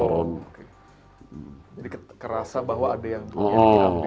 jadi kerasa bahwa ada yang dirampil